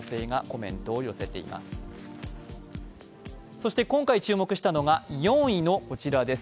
そして今回注目したのが４位のこちらです。